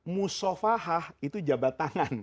musofah itu jabat tangan